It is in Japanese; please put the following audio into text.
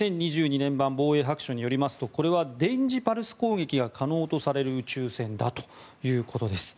年版防衛白書によりますとこれは電磁パルス攻撃が可能とされる宇宙船だということです。